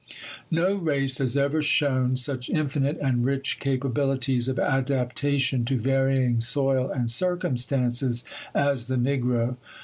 No race has ever shown such infinite and rich capabilities of adaptation to varying soil and circumstances as the negro.